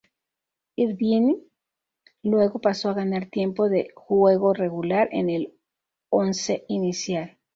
Irvine luego pasó a ganar tiempo de juego regular en el once inicial.